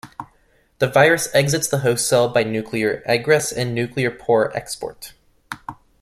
The virus exits the host cell by nuclear egress, and nuclear pore export.